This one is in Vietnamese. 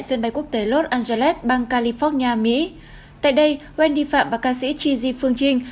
sân bay quốc tế los angeles bang california mỹ tại đây wendy phạm và ca sĩ ji phương trinh